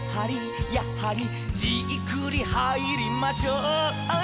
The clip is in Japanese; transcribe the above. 「じっくりはいりましょう」